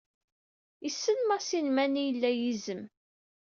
Issen Masin mani g illa yizem.